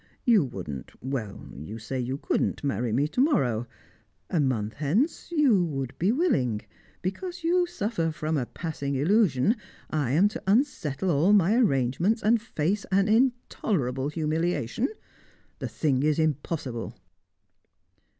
You wouldn't well, say you couldn't marry me to morrow. A month hence you would be willing. Because you suffer from a passing illusion, I am to unsettle all my arrangements, and face an intolerable humiliation. The thing is impossible."